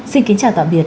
xin kính chào tạm biệt